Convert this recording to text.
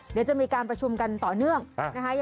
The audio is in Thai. เดี๋ยวจะมีการประชุมกันต่อเนื่องนะคะ